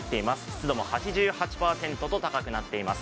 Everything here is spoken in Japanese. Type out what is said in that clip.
湿度も８８％と高くなっています。